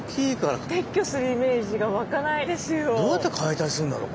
どうやって解体するんだろう？